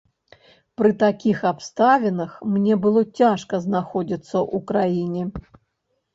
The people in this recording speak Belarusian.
Пры такіх абставінах мне было цяжка знаходзіцца ў краіне.